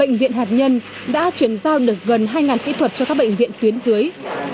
bệnh viện hạt nhân đã chuyển giao được gần hai kỹ thuật cho các bệnh viện tuyến dưới